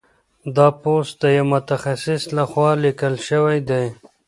دا پوسټ د یو متخصص لخوا لیکل شوی دی.